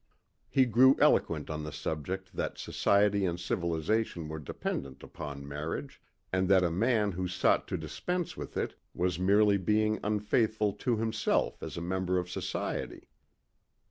He grew eloquent on the subject that society and civilization were dependent upon marriage and that a man who sought to dispense with it was merely being unfaithful to himself as a member of society.